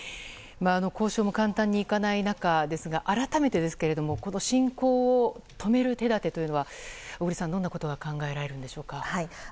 交渉も簡単にいかない中ですが改めて、この侵攻を止める手立てというのは小栗さん、どんなことが考えられるんでしょうか。